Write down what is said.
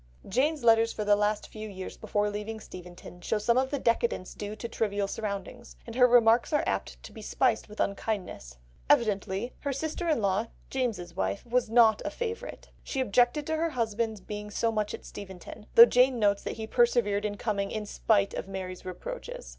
Jane's letters for the last few years before leaving Steventon show some of the decadence due to trivial surroundings, and her remarks are apt to be spiced with unkindness. Evidently her sister in law, James's wife, was not a favourite; she objected to her husband's being so much at Steventon, though Jane notes that he persevered in coming "in spite of Mary's reproaches."